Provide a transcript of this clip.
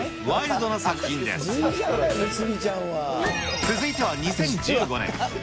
続いては２０１５年。